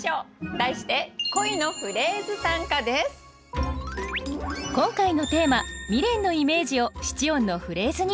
題して今回のテーマ「未練」のイメージを七音のフレーズに。